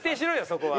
そこは。